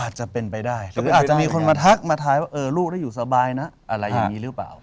อาจจะเป็นไปได้หรืออาจจะมีคนมาทักมาท้ายว่าเออลูกได้อยู่สบายนะอะไรอย่างนี้หรือเปล่า